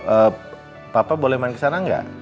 eh papa boleh main kesana nggak